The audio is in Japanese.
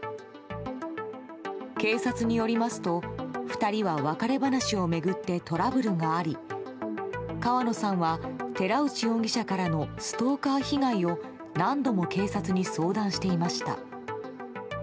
警察によりますと２人は別れ話を巡ってトラブルがあり川野さんは寺内容疑者からのストーカー被害を何度も警察に相談していました。